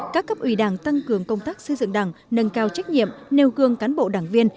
các cấp ủy đảng tăng cường công tác xây dựng đảng nâng cao trách nhiệm nêu gương cán bộ đảng viên